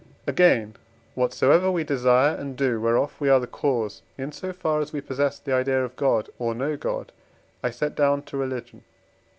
Again, whatsoever we desire and do, whereof we are the cause in so far as we possess the idea of God, or know God, I set down to Religion.